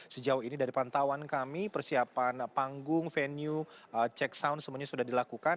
sejauh ini dari pantauan kami persiapan panggung venue check sound semuanya sudah dilakukan